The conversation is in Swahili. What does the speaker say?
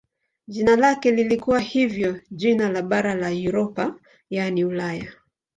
Jina lake lilikuwa hivyo jina la bara la Europa yaani Ulaya.